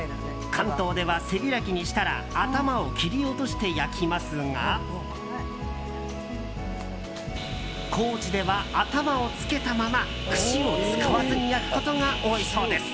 関東では背開きにしたら頭を切り落として焼きますが高知では頭をつけたまま串を使わずに焼くことが多いそうです。